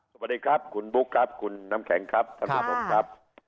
สวัสดีครับคุณบุ๊คครับคุณน้ำแข็งครับท่านผู้ชมครับ